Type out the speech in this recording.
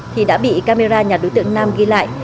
thì đã bị camera nhà đối tượng nam ghi lại